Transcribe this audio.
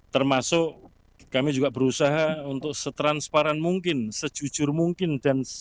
termasuk kami juga berusaha untuk setransparan mungkin sejujur mungkin dan